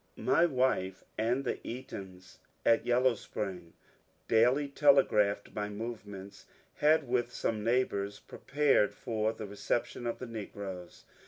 My wife and the Eatons at Yellow Spring, daily tele graphed my movements, had with some neighbours prepared for the reception of the negroes.